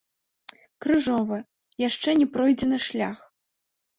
Крыжовы, яшчэ не пройдзены шлях.